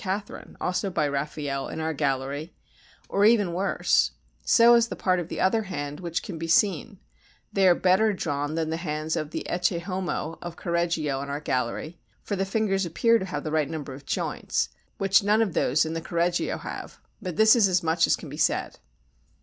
Catharine (also by Raffaelle) in our gallery, or even worse; so is the part of the other hand which can be seen; they are better drawn than the hands in the Ecce homo of Correggio in our gallery, for the fingers appear to have the right number of joints, which none of those in the Correggio have, but this is as much as can be said.